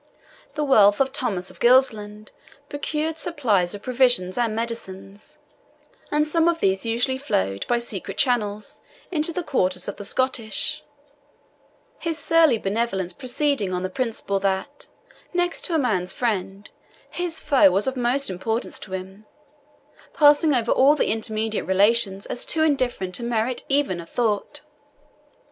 The wealth of Thomas of Gilsland procured supplies of provisions and medicines, and some of these usually flowed by secret channels into the quarters of the Scottish his surly benevolence proceeding on the principle that, next to a man's friend, his foe was of most importance to him, passing over all the intermediate relations as too indifferent to merit even a thought.